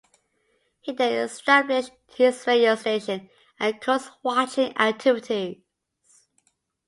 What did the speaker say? He then established his radio station and coastwatching activities.